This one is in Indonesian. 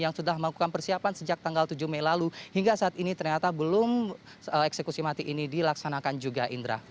yang sudah melakukan persiapan sejak tanggal tujuh mei lalu hingga saat ini ternyata belum eksekusi mati ini dilaksanakan juga indra